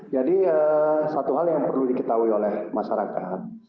jadi satu hal yang perlu diketahui oleh masyarakat